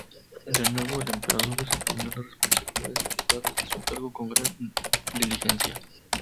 De nuevo, el emperador desempeñó las responsabilidades derivadas de su cargo con gran diligencia.